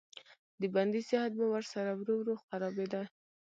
د بندي صحت به ورسره ورو ورو خرابېده.